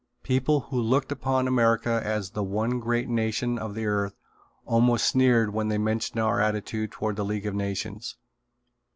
People who looked upon America as the one great nation of the earth almost sneered when they mentioned our attitude toward the League of Nations.